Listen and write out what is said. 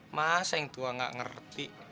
masa yang tua gak ngerti